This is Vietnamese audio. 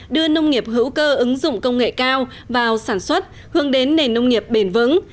đưa nông nghiệp hữu cơ ứng dụng công nghệ cao vào sản xuất hướng đến nền nông nghiệp bền vững